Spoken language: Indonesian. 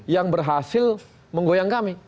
yang berhasil menggoyangkan kita gitu loh ya kan